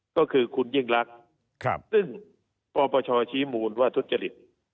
ก็คือคุณยิ่งรักซึ่งปปชชี้มูลว่าทุจริต